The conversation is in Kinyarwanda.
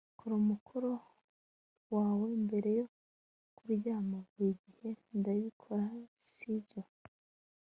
Kora umukoro wawe mbere yo kuryama Buri gihe ndabikora si byo